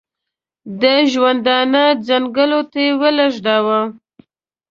د ژوندانه څنګلو ته ولېږداوه.